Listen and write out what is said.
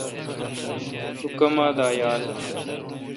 تو کما دا یال؟